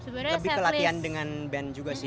lebih pelatihan dengan band juga sih